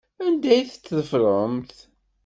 Anda ay t-teffremt?